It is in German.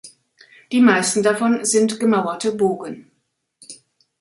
Die meisten davon sind gemauerte Bogen.